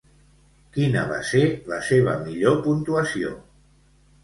Quina va ser la seva millor puntuació?